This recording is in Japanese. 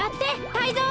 タイゾウ！